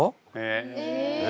え！